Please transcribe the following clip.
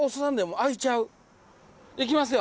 いきますよ。